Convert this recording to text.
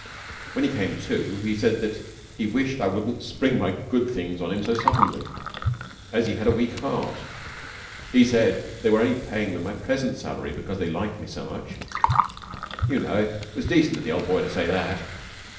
When he came to he said that he wished I wouldn't spring my good things on him so suddenly, as he had a weak heart. He said they were only paying me my present salary because they liked me so much. You know, it was decent of the old boy to say that.'